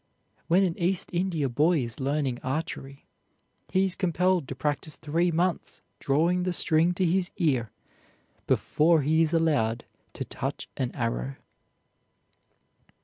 When an East India boy is learning archery, he is compelled to practise three months drawing the string to his ear before he is allowed to touch an arrow.